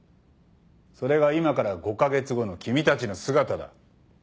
それが今から５カ月後の君たちの姿だ。